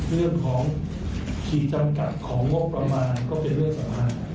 เรื่องของขีดจำกัดของงบประมาณก็เป็นเรื่องสำคัญ